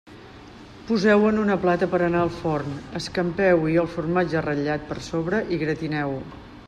Poseu-ho en una plata per a anar al forn, escampeu-hi el formatge ratllat per sobre i gratineu-ho.